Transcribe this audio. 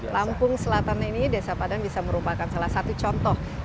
lampung selatan ini desa padang bisa merupakan salah satu contoh